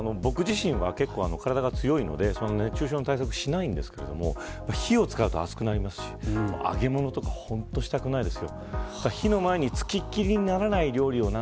僕自身は結構体が強いので対策はあまりしないんですけど火を使ったら暑くなりますし揚げ物は本当にしたくないです。